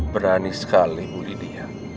berani sekali bu lydia